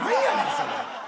それ。